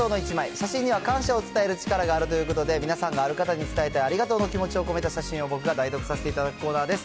写真には感謝を伝える力があるということで、皆さんのある方に伝えたいありがとうの気持ちを込めた写真を僕が代読させていただくコーナーです。